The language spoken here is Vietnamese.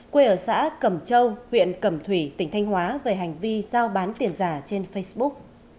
quê ở xã cầm châu huyện cầm thủy tỉnh thanh hóa về hành vi dao bán tiền giả trên facebook